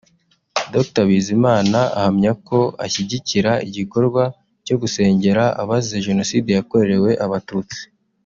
Dr Bizimana ahamya ko ashyigikira igikorwa cyo gusengera abazize Jenoside yakorewe abatutsi